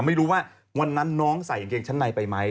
ไม่รู้ว่าวันนั้นน้องใส่กางเกงชั้นในไปไหม